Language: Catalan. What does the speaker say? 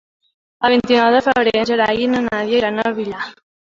El vint-i-nou de febrer en Gerai i na Nàdia iran al Villar.